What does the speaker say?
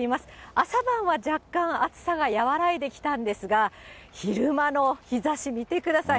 朝晩は若干、暑さが和らいできたんですが、昼間の日ざし、見てください。